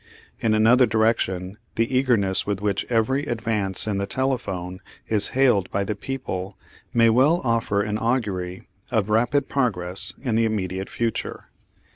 In another direction the eagerness with which every advance in the telephone is hailed by the people may well offer an augury of rapid progress in the immediate future.